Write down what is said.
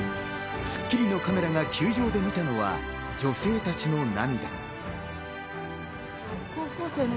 『スッキリ』のカメラが球場で見たのは女性たちの涙。